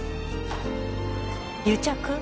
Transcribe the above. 癒着？